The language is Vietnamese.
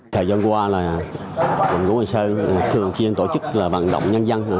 những năm qua lòng ngũ hoàn sơn thường chuyên tổ chức là vận động nhân dân